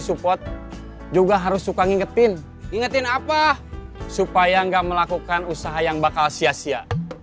support juga harus suka ngingetin ngingetin apa supaya enggak melakukan usaha yang bakal sia sia